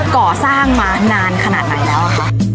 ก่อสร้างมานานขนาดไหนแล้วคะ